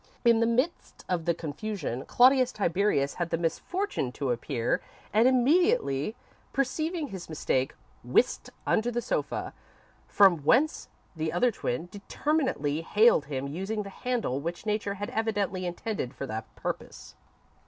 In the midst of the confusion, Claudius Tiberius had the misfortune to appear, and, immediately perceiving his mistake, whisked under the sofa, from whence the other twin determinedly haled him, using the handle which Nature had evidently intended for that purpose.